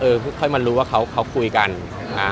เออค่อยมารู้ว่าเขาคุยกันครับ